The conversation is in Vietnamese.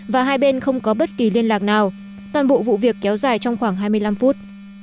và hai bên không có bất kỳ liên lạc nào toàn bộ vụ việc kéo dài trong khoảng hai mươi năm phút